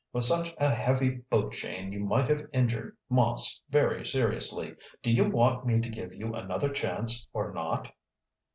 With such a heavy boat chain you might have injured Moss very seriously. Do you want me to give you another chance or not?"